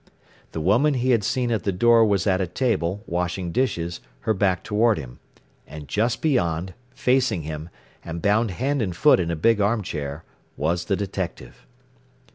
The woman he had seen at the door was at a table, washing dishes, her back toward him. And just beyond, facing him, and bound hand and foot in a big arm chair, was the detective.